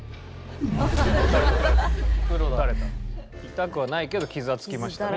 痛くはないけど傷はつきましたね